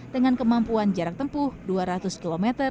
dengan kemampuan jarak tempuh dua ratus km